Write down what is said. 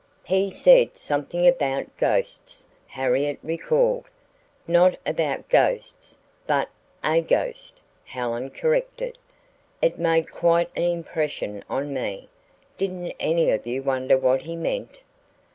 "He said something about ghosts," Harriet recalled. "Not about ghosts, but a ghost," Helen corrected. "It made quite an impression on me. Didn't any of you wonder what he meant?"